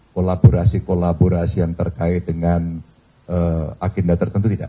kolaborasi kolaborasi yang terkait dengan agenda tertentu tidak